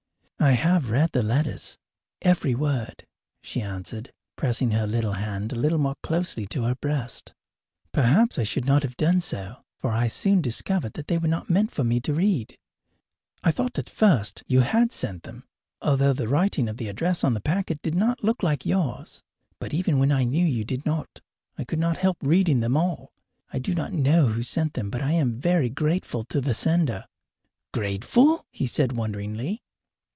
"I have read the letters, every word," she answered, pressing her hand a little more closely to her breast. "Perhaps I should not have done so, for I soon discovered that they were not meant for me to read. I thought at first you had sent them, although the writing of the address on the packet did not look like yours; but even when I knew you did not I could not help reading them all. I do not know who sent them, but I am very grateful to the sender." "Grateful?" he said wonderingly.